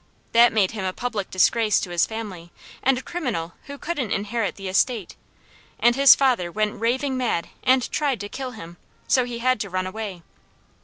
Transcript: That made him a public disgrace to his family, and a criminal who couldn't inherit the estate, and his father went raving mad and tried to kill him, so he had to run away.